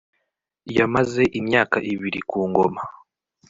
Yamaze imyaka ibiri ku ngoma